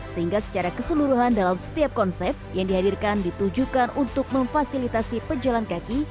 sehingga secara keseluruhan dalam setiap konsep yang dihadirkan ditujukan untuk memfasilitasi pejalan kaki